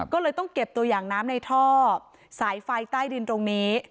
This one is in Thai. ก็เลยต้องเก็บตัวอย่างน้ำในท่อสายไฟใต้ดินตรงนี้